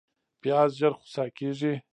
پیاز ژر خوسا کېږي